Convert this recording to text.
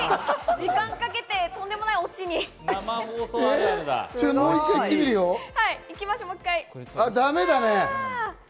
時間かけて、とんでもないオチにだめだ！